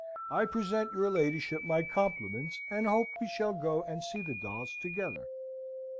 I present your ladyship my compliments, and hope we shall go and see the dolls together.